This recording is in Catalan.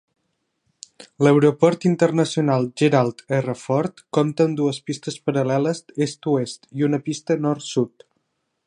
L'aeroport internacional Gerald R. Ford compta amb dues pistes paral·leles est-oest i una pista nord-sud.